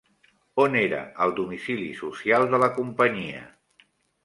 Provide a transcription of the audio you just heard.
On era el domicili social de la companyia?